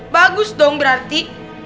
bagus dong berarti